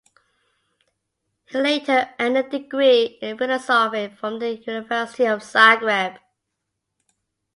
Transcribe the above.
He later earned a degree in philosophy from the University of Zagreb.